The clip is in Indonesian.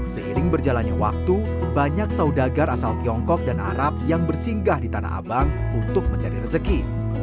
seiring berjalannya waktu banyak saudagar asal tiongkok dan arab yang bersinggah di tanah abang untuk mencari rezeki